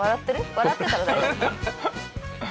笑ってたら大丈夫。